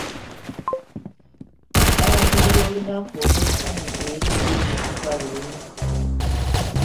Nangirira olunaku olw'essanyu era olw'emikisa leero.